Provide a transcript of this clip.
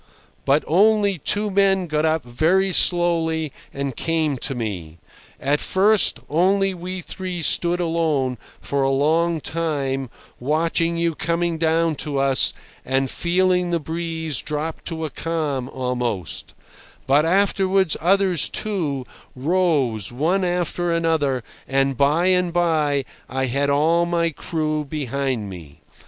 but only two men got up very slowly and came to me. At first only we three stood alone, for a long time, watching you coming down to us, and feeling the breeze drop to a calm almost; but afterwards others, too, rose, one after another, and by and by I had all my crew behind me.